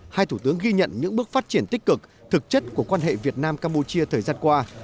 hai thủ tướng ghi nhận những bước phát triển tích cực thực chất của quan hệ việt nam campuchia thời gian qua